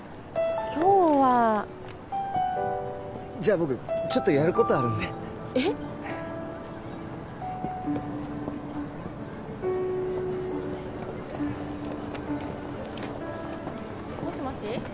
今日はじゃあ僕ちょっとやることあるんでえっ？もしもし？